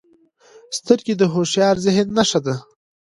سترګې د هوښیار ذهن نښه ده